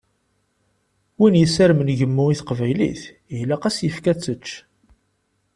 Win yessarmen gemmu i teqbaylit ilaq ad as-yefk ad tečč.